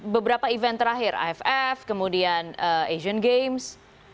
beberapa event terakhir aff kemudian asian games